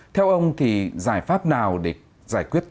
theo ông thì giải pháp nào để giải quyết